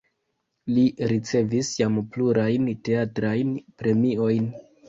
Li ricevis jam plurajn teatrajn premiojn.